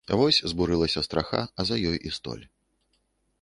Вось забурылася страха, а за ёй і столь.